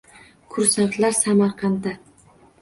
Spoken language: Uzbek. Kursantlar Samarqandda